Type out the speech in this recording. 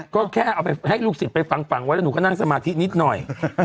ก็แค่เอาไปให้ลูกศิษย์ไปฝังไว้แล้วหนูก็นั่งสมาธินิดหน่อย